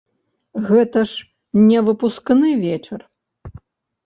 Гэта ж не выпускны вечар.